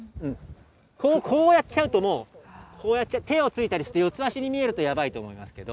こうやっちゃうともう、手をついたりして、四つ足にするとやばいと思いますけど。